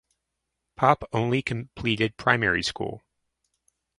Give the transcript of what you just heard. Poppe only completed primary school.